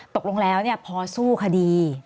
ตกลงแล้วพอสู้คดี